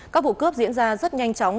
các vụ cướp diễn ra rất nhanh chóng